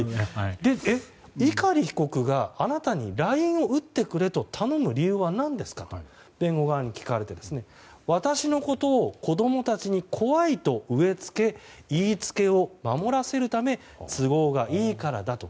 碇被告があなたにＬＩＮＥを打ってくれと頼む理由は何ですかと弁護側に聞かれて私のことを子供たちに怖いと植え付け言いつけを守らせるため都合がいいからだと。